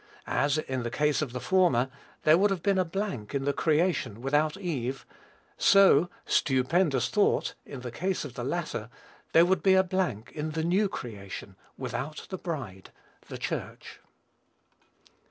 As, in the case of the former, there would have been a blank in the creation without Eve, so stupendous thought! in the case of the latter, there would be a blank in the new creation without the bride, the Church.